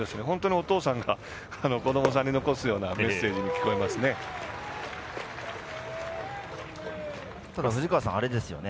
お父さんから子どもさんに残すようなメッセージに聞こえますね。